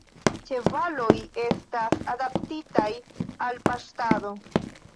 Ĉevaloj estas adaptitaj al paŝtado.